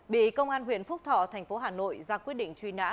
bị công an huyện phúc thọ thành phố hà nội ra quyết định truy nã